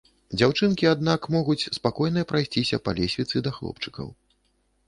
Дзяўчынкі, аднак, могуць спакойна прайсціся па лесвіцы да хлопчыкаў.